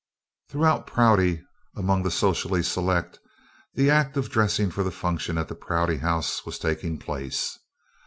Throughout Prouty, among the socially select, the act of dressing for the function at the Prouty House was taking place.